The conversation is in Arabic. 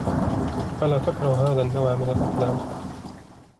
ألا تكره هذا النوع من الأفلام ؟